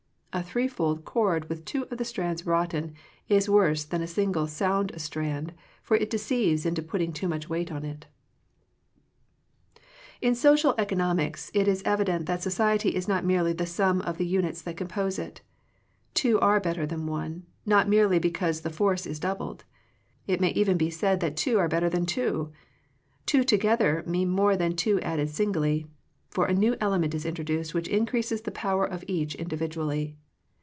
A threefold cord with two of the strands rotten is worse than a single sound strand, for it deceives into putting too much weight on it In social economics it is evident that so ciety is not merely the sum of the units that compose it. Two are better than one, not merely because the force is doubled. It may even be said that two are better than two. Two together mean more than two added singly ; for a new element is introduced which increases the power of each individually.